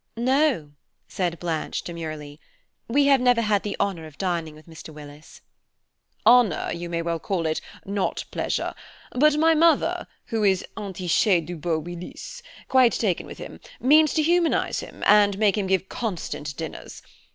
"No," said Blanche, demurely, "we have never had the honour of dining with Mr. Willis." "Honour you may well call it, not pleasure; but my mother, who is entichée du beau Willis, quite taken with him, means to humanise him, and make him give constant dinners.